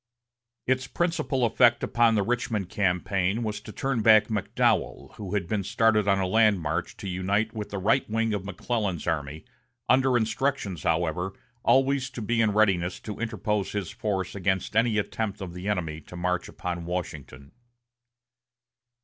Its principal effect upon the Richmond campaign was to turn back McDowell, who had been started on a land march to unite with the right wing of McClellan's army, under instructions, however, always to be in readiness to interpose his force against any attempt of the enemy to march upon Washington.